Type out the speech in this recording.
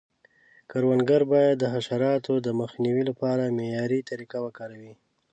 کروندګر باید د حشراتو د مخنیوي لپاره معیاري طریقې وکاروي.